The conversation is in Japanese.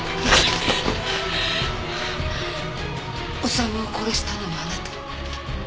修を殺したのもあなた？